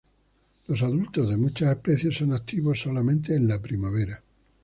Los adultos de muchas especies son activos solamente en la primavera.